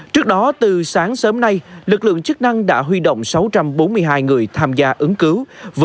trước đó từ sáng sớm nay lực lượng chức năng đã huy động sáu trăm bốn mươi hai người tham gia ứng cứu